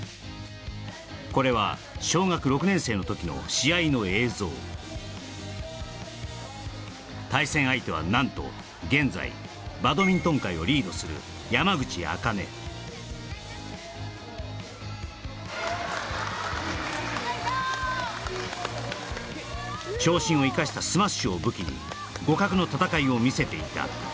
これは小学６年生の時の試合の映像対戦相手は何と現在バドミントン界をリードする山口茜長身を生かしたスマッシュを武器に互角の戦いを見せていた・最高！